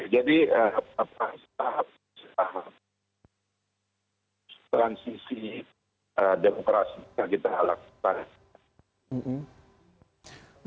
jadi setahap transisi demokrasi yang kita alami